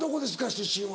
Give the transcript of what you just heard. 出身は。